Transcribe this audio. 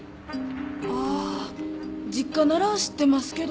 あ実家なら知ってますけど。